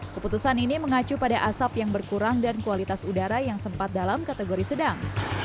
keputusan ini mengacu pada asap yang berkurang dan kualitas udara yang sempat dalam kategori sedang